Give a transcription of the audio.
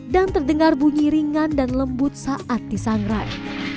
dan terdengar bunyi ringan dan lembut saat disangrai